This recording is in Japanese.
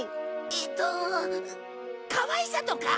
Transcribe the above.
えっとかわいさとか？